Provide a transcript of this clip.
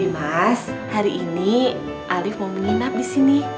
dimas hari ini alif mau menginap disini